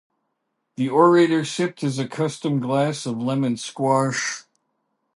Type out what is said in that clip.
The orator sipped his accustomed glass of lemon-squash.